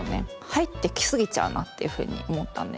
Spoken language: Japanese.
入ってきすぎちゃうなっていうふうに思ったんです。